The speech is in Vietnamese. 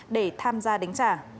để tham gia đánh trả